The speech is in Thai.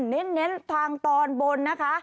เน้นทางตอนบนนะคะ